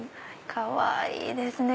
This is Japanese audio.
かわいいですね。